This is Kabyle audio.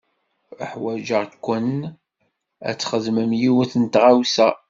Uḥwaǧeɣ-ken ad txedmem yiwet n tɣawsa.